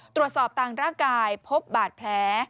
ตรวจสอบตามร่างกายพบบาดแผล